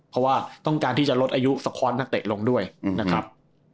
เพราะว่าต้องการที่จะลดอายุสะค้อนนักเตะลงด้วยนะครับ